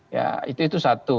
ya itu satu